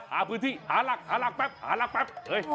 หาพื้นที่หาหลักแป๊บ